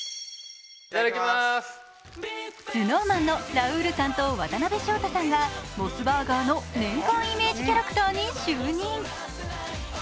ＳｎｏｗＭａｎのラウールさんと渡辺翔太さんがモスバーガーの年間イメージキャラクターに就任。